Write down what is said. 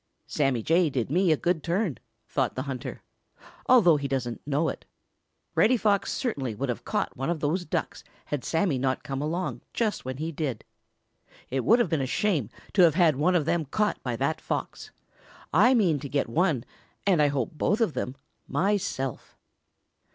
"Sammy Jay did me a good turn," thought the hunter, "although he doesn't know it. Reddy Fox certainly would have caught one of those Ducks had Sammy not come along just when he did. It would have been a shame to have had one of them caught by that Fox. I mean to get one, and I hope both of them, myself."